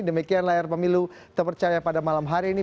demikian layar pemilu terpercaya pada malam hari ini